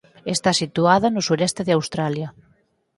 Está situada no sueste de Australia.